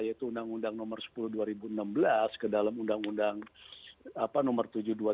yaitu undang undang nomor sepuluh dua ribu enam belas ke dalam undang undang nomor tujuh dua ribu tujuh belas